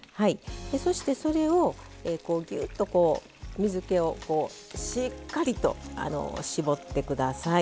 そしてそれをぎゅっと水けをしっかりと絞ってください。